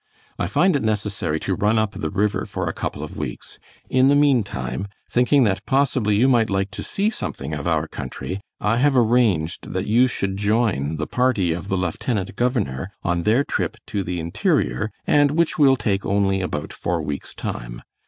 I find it necessary to run up the river for a couple of weeks. In the meantime, thinking that possibly you might like to see something of our country, I have arranged that you should join the party of the Lieutenant Governor on their trip to the interior, and which will take only about four weeks' time.